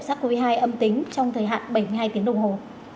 sars cov hai âm tính trong thời hạn bảy mươi hai tiếng đồng hồ